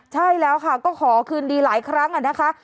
ใช่แล้วค่ะก็ขอคืนดีหลายครั้งนะคะ